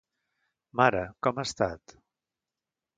Mare, com ha estat?